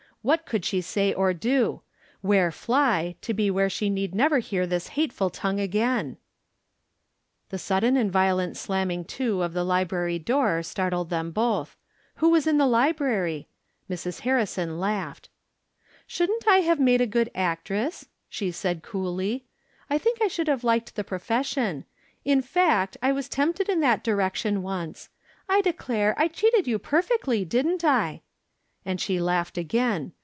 What could she say or do ? Where fly, to be where she need never hear this hateful tongue again ? The sudden and violent slamming to of the li brary door startled them both. Who was in the library ? Mrs. Harrison laughed. " Shoixldn't I have made a good actress ?" she asked, coolly. " I think I should have liked the profession. In fact, I was tempted in that di rection once. I declare, I cheated you perfectly, didn't I ?" And she laughed again.